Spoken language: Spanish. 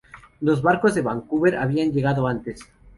Los barcos de Vancouver habían llegado antes.